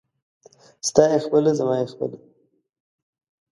ستا يې خپله ، زما يې خپله.